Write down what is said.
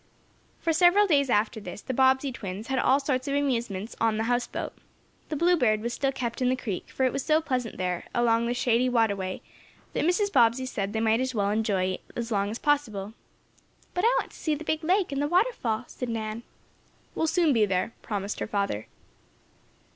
For several days after this, the Bobbsey twins had all sorts of amusements on the house boat. The BLUEBIRD was still kept in the creek, for it was so pleasant there, along the shady waterway, that Mrs. Bobbsey said they might as well enjoy it as long as possible. "But I want to see the big lake and the waterfall," said Nan. "We'll soon be there," promised her father.